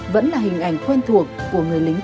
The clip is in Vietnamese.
vẫn là hình ảnh quen thuộc của người lính